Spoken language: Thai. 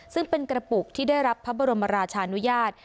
ซึ่งเป็นกระปุกที่ได้รับพระบรมราชานุญาต